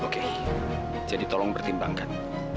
oke jadi tolong pertimbangkan